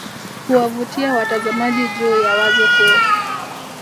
kuwavutia watazamaji juu ya wazo kuu